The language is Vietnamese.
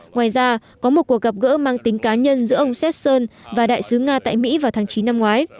ngoài ra có một cuộc gặp gỡ mang tính cá nhân giữa ông sethson và đại sứ nga tại mỹ vào tháng chín năm ngoái